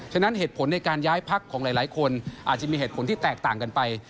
ฉะนั้นเหตุผลในการย้ายพักของหลายคนอาจจะมีเหตุผลที่แตกต่างกันไป